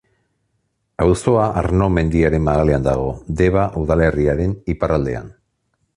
Auzoa Arno mendiaren magalean dago, Deba udalerriaren iparraldean.